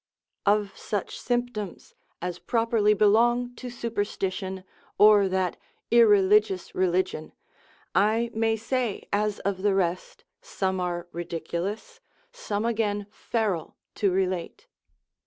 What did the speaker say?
Of such symptoms as properly belong to superstition, or that irreligious religion, I may say as of the rest, some are ridiculous, some again feral to relate.